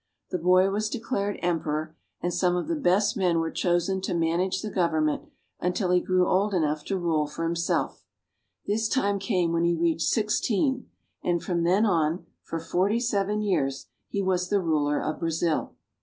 The boy was declared emperor, and some of the best men were chosen to manage the government until he grew old enough to RIO DE JANEIRO. 271 rule for himself. This time came when he reached sixteen, and from then on for forty seven years he was the ruler of Brazil.